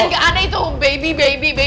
dan gak ada itu baby baby baby